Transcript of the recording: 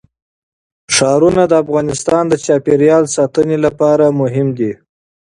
ښارونه د افغانستان د چاپیریال ساتنې لپاره مهم دي.